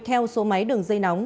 theo số máy đường dây nóng